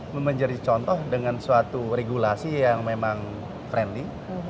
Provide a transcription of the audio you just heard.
menjadi contoh dengan suatu regulasi yang memang friendly